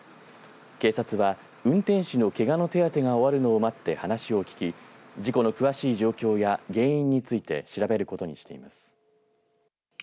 警察は運転手のけがの手当てが終わるのを待って話を聞き事故の詳しい状況や原因について調べることにしています。